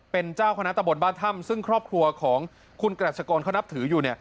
เป็นเจ้าคณะตะบนบ้านถ้ำซึ่งครอบครัวของคุณกรัชกรเขานับถืออยู่